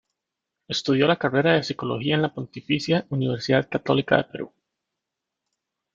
Estudió la carrera de Psicología en la Pontificia Universidad Católica del Perú.